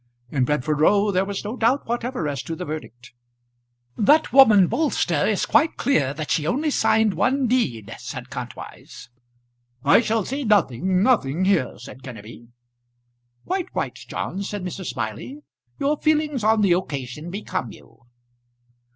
In Bedford Row there was no doubt whatever as to the verdict. "That woman Bolster is quite clear that she only signed one deed," said Kantwise. "I shall say nothing nothing here," said Kenneby. "Quite right, John," said Mrs. Smiley. "Your feelings on the occasion become you."